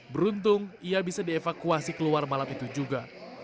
beruntung ia bisa dievakuasi keluar malam itu juga